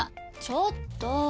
ちょっと。